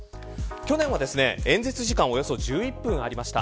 去年は演説時間およそ１１分ありました。